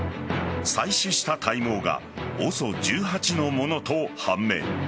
採取した体毛がＯＳＯ１８のものと判明。